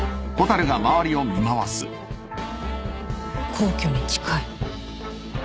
皇居に近い。